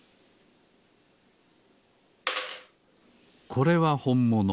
これはほんもの。